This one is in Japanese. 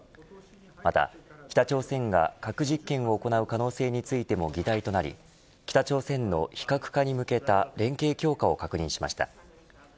また北朝鮮が核実験を行う可能性についても議題となり北朝鮮の非核化に向けた連携強化を確認しました。